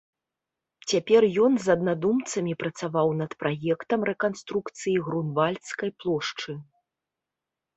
Цяпер ён з аднадумцамі працаваў над праектам рэканструкцыі Грунвальдскай плошчы.